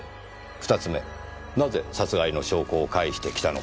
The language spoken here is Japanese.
２つ目なぜ殺害の証拠を返してきたのか。